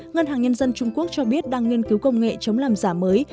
ngân hàng nhân dân trung quốc cho biết đang nghiên cứu công nghệ chống làm giả mới